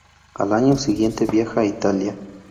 Al año siguiente viaja a Italia.